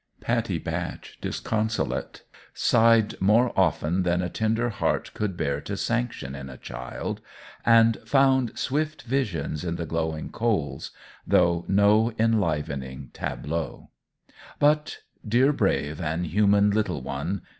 Pattie Batch, disconsolate, sighed more often than a tender heart could bear to sanction in a child, and found swift visions in the glowing coals, though no enlivening tableaux; but dear brave and human little one!